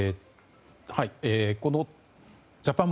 このジャパン